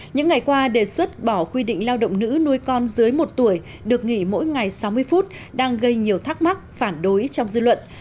những ngày qua đề xuất bỏ quy định lao động nữ nuôi con dưới một tuổi được nghỉ mỗi ngày sáu mươi phút đang gây nhiều thắc mắc phản đối trong dư luận